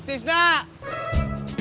lihatinos doang selalu biri